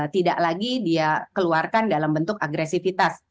tidak lagi dia keluarkan dalam bentuk agresivitas